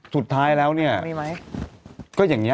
สุดท้ายแล้วเนี่ยมีไหมก็อย่างนี้